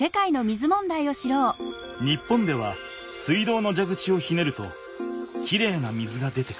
日本では水道のじゃぐちをひねるときれいな水が出てくる。